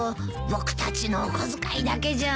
僕たちのお小遣いだけじゃ。